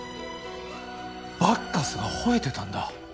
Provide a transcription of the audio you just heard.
バッカスが吠えてたんだ。